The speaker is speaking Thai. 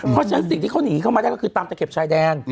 เพราะฉะนั้นสิ่งที่เขาหนีเข้ามาได้ก็คือตามตะเข็บชายแดน